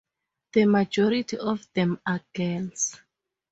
The majority of them are girls.